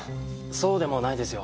そうでもないですよ。